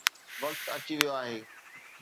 وقت اچي ويو آهي.